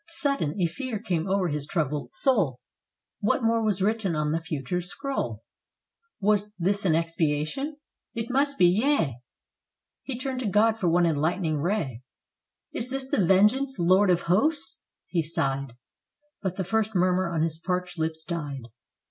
Sudden, a fear came o'er his troubled soul. What more was written on the Future's scroll? Was this an expiation? It must be, yea: He turned to God for one enlightening ray. "Is this the vengeance, Lord of Hosts?" he sighed, But the first murmur on his parched lips died.